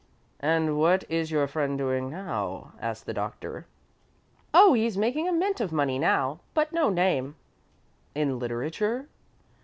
"And what is your friend doing now?" asked the Doctor. "Oh, he's making a mint of money now, but no name." "In literature?"